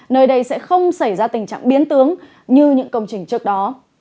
nơi đây sẽ không xảy ra tình trạng biến tướng như những công trình trước đó